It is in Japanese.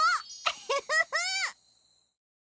ウフフフ！